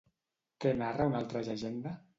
Què narra una altra llegenda?